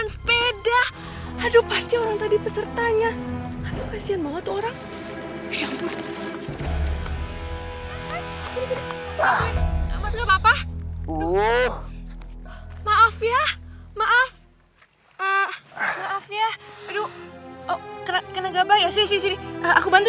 ketika itu idag countries ke amerika tertermaih salingworks mag hacerlo gitu